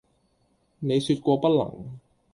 你説過不能。」